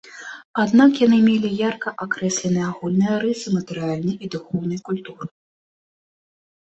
Аднак яны мелі ярка акрэсленыя агульныя рысы матэрыяльнай і духоўнай культуры.